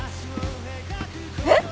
えっ！？